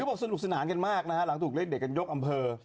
บอกสนุกสนานกันมากนะฮะหลังถูกเลขเด็ดกันยกอำเภอ